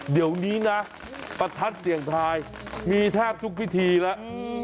เดี๋ยวนี้นะประทัดเสี่ยงทายมีแทบทุกพิธีแล้ว